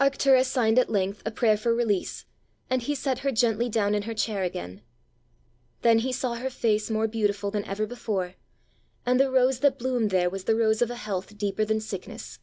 Arctura signed at length a prayer for release, and he set her gently down in her chair again. Then he saw her face more beautiful than ever before; and the rose that bloomed there was the rose of a health deeper than sickness.